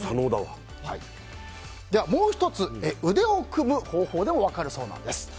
もう１つ、腕を組む方法でも分かるそうです。